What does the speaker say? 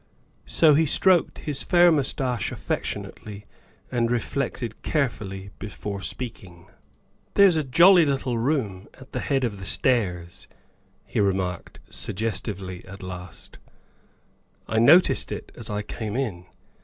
So he stroked his fair mus tache affectionately and reflected carefully before speaking. 102 THE WIFE OF " There's a jolly little room at the head of the stairs," he remarked suggestively at last; " I noticed it as I came in.